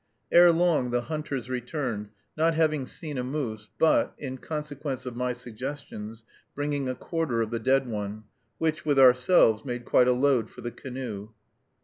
Ere long, the hunters returned, not having seen a moose, but, in consequence of my suggestions, bringing a quarter of the dead one, which, with ourselves, made quite a load for the canoe.